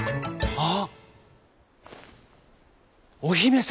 「あっ！